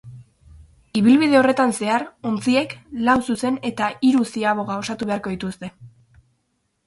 Ibilbide horretan zehar, ontziek lau zuzen eta hiru ziaboga osatu beharko dituzte.